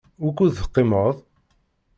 Wukud teqqimeḍ?